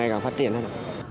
và càng phát triển hơn